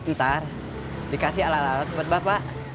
putar dikasih alat alat buat bapak